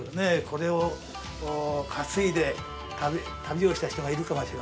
これを担いで旅をした人がいるかもしれませんね。